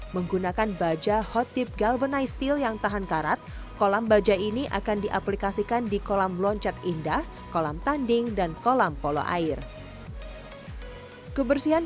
menggunakan baja hot tip galvanize steel yang tahan karat kolam baja ini akan diaplikasikan di kolam loncat indah kolam tanding dan kolam polo air